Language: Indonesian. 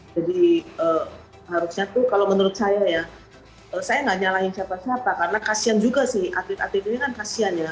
jadi harusnya tuh kalau menurut saya ya saya nggak nyalahin siapa siapa karena kasian juga sih atlet atlet ini kan kasian ya